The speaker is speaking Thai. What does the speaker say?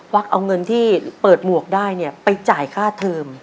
วักเอาเงินที่เปิดหมวกได้เนี่ยไปจ่ายค่าเทอม